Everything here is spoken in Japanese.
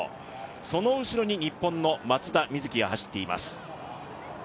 その後ろに日本の松田瑞生が走っています。